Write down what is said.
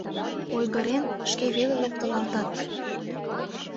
Ойгырен, шке веле локтылалтат.